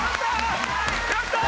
やったー！